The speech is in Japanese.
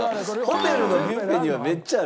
ホテルのビュッフェにはめっちゃある。